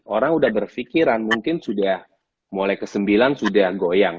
orang sudah berpikiran mungkin sudah mulai ke sembilan sudah goyang